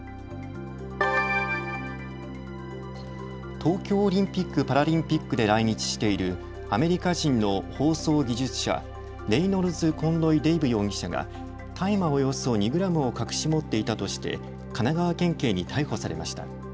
東京オリンピック・パラリンピックで来日しているアメリカ人の放送技術者、レイノルズ・コンロイ・デイブ容疑者が大麻およそ２グラムを隠し持っていたとして神奈川県警に逮捕されました。